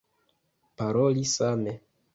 Paroli same.